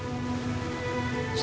sepetak di belakang rumahnya